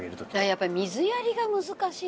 やっぱり水やりが難しいんですよ。